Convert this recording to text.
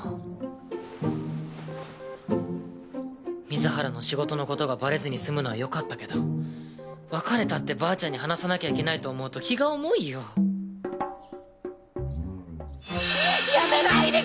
水原の仕事のことがバレずに済むのはよかったけど「別れた」ってばあちゃんに話さなきゃいけないと思うと辞めないでくれ水原！